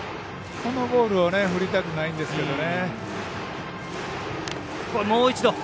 こういうボールを振りたくないんですけどね。